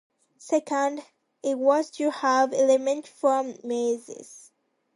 Second, it was to have elements from mazes.